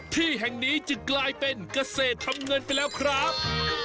ที่แห่งนี้จึงกลายเป็นเกษตรทำเงินไปแล้วครับ